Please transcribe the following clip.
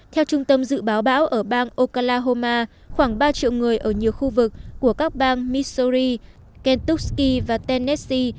theo trung tâm dự báo báo ở bang oklahoma khoảng ba triệu người ở nhiều khu vực của các bang missouri kentucky và tennessee